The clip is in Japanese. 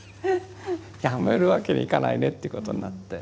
やめるわけにいかないねということになって。